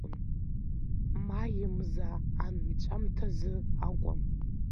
Маи мза анҵәамҭазы акәын.